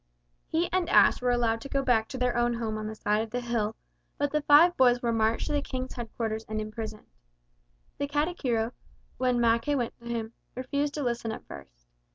He and Ashe were allowed to go back to their own home on the side of the hill, but the five boys were marched to the King's headquarters and imprisoned. The Katikiro, when Mackay went to him, refused to listen at first.